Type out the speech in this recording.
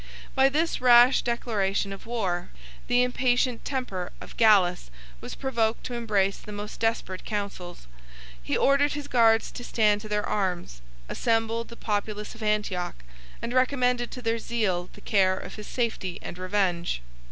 By this rash declaration of war, the impatient temper of Gallus was provoked to embrace the most desperate counsels. He ordered his guards to stand to their arms, assembled the populace of Antioch, and recommended to their zeal the care of his safety and revenge.